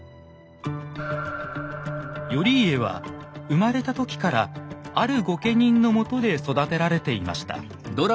頼家は生まれた時からある御家人のもとで育てられていました。